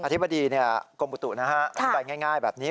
อธิบดีกรมอุตุนะฮะเป็นการง่ายแบบนี้